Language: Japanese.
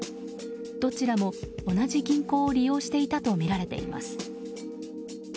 どちらも同じ銀行を利用していたとみられています。